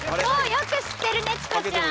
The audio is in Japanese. よく知ってるねチコちゃん。